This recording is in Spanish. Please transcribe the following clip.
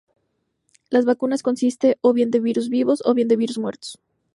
Las vacunas consisten o bien de virus vivos o bien de virus muertos.